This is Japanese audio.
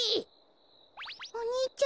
お兄ちゃ。